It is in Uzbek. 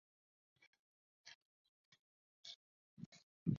• Ahmoq qo‘rquv bilmaydi.